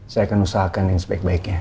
saya akan usahakan yang sebaik baiknya